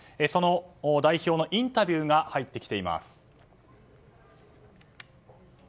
その代表のインタビューが入ってきています。